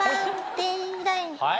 はい？